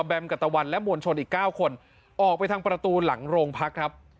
แมมกับตะวันและมวลชนอีก๙คนออกไปทางประตูหลังโรงพักครับ